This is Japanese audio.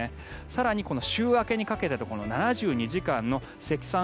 更にこの週明けにかけてと７２時間の積算